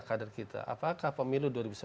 kader kita apakah pemilu dua ribu sembilan belas